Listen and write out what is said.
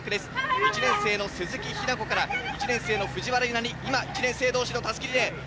１年生・鈴木日菜子から１年生・藤原唯奈に１年生同士の襷リレー。